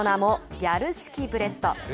ギャル式ブレスト。